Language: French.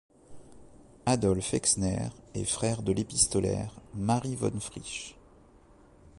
Adolf Exner est frère de l'épistolaire Marie von Frisch.